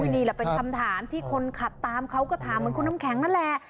นี่แหละเป็นคำถามที่คนขับตามเขาก็ถามเหมือนคุณน้ำแข็งนั่นแหละ